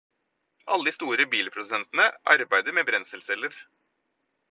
Alle de store bilprodusentene arbeider med brenselceller.